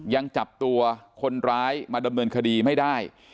ยังจับตัวคนร้ายมาดำเนินคดีไม่ได้